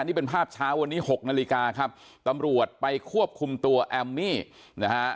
นี่เป็นภาพเช้าวันนี้หกนาฬิกาครับตำรวจไปควบคุมตัวแอมมี่นะฮะ